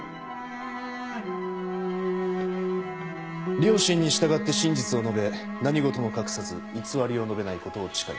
良心に従って真実を述べ何事も隠さず偽りを述べないことを誓います。